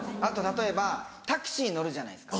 例えばタクシー乗るじゃないですか。